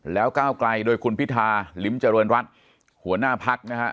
แล้วก้าวไกลโดยคุณพิธาลิมจรวรรณรัฐหัวหน้าพักนะครับ